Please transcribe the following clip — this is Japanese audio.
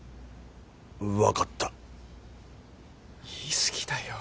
分かった言いすぎだよ